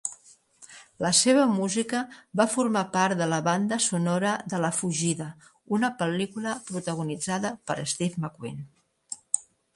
La seva música va formar part de la banda sonora de "La fugida", una pel·lícula protagonitzada per Steve McQueen.